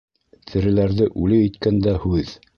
Тереләрҙе үле иткән дә һүҙ.